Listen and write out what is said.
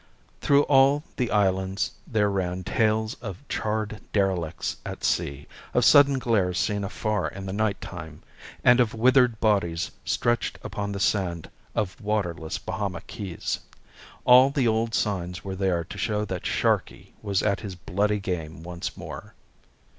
Through all the islands there ran tales of charred derelicts at sea, of sudden glares seen afar in the night time, and of withered bodies stretched upon the sand of waterless Bahama Keys. All the old signs were there to show that Sharkey was at his bloody game once more.